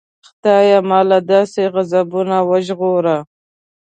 خدایه ما له داسې غضبونو وژغوره.